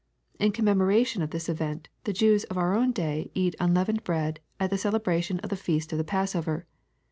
In commemoration of this event the Jews of our own day eat unleavened bread at the celebration of their Feast of the Pass over.